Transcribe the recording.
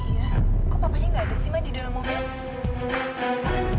kok papanya nggak ada sih mbak di dalam mobil